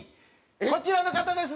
こちらの方です。